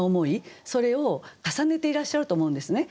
それを重ねていらっしゃると思うんですね。